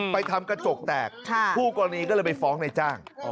ทำกระจกแตกคู่กรณีก็เลยไปฟ้องในจ้าง